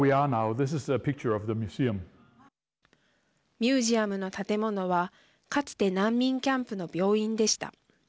ミュージアムの建物はかつて難民キャンプの病院でした。